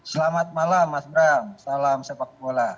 selamat malam mas bram salam sepak bola